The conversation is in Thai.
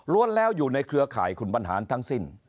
แล้วอยู่ในเครือข่ายคุณบรรหารทั้งสิ้น